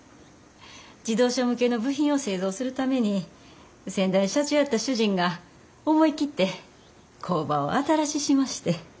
自動車向けの部品を製造するために先代社長やった主人が思い切って工場を新ししまして。